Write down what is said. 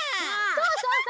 そうそうそうそう。